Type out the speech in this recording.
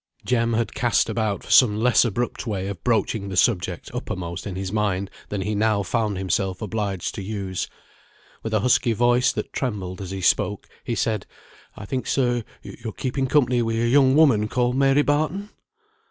Jem had cast about for some less abrupt way of broaching the subject uppermost in his mind than he now found himself obliged to use. With a husky voice that trembled as he spoke, he said, "I think, sir, yo're keeping company wi' a young woman called Mary Barton?"